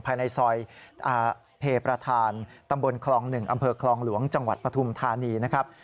ภายในซอยเพประธานตำบลคลอง๑อำเภอคลองหลวงจังหวัดปฐุมธานีนะครับ